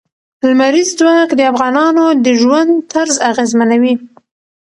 لمریز ځواک د افغانانو د ژوند طرز اغېزمنوي.